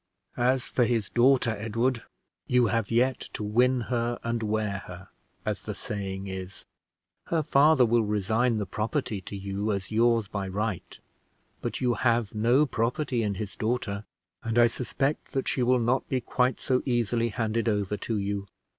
"As for his daughter, Edward, you have yet to 'win her and wear her,' as the saying is. Her father will resign the property to you as yours by right, but you have no property in his daughter, and I suspect that she will not be quite so easily handed over to you."